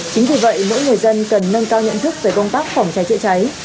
chính vì vậy mỗi người dân cần nâng cao nhận thức về công tác phòng cháy chữa cháy